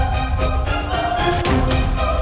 gombol gombolnya dulu lah pak